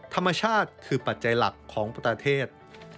ธรรมชาติคือปัจจัยหลักของประเทศ